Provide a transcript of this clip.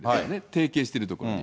提携してる所に。